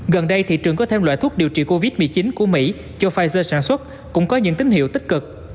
gần đây thị trường có thêm loại thuốc điều trị covid một mươi chín của mỹ do pfizer sản xuất cũng có những tín hiệu tích cực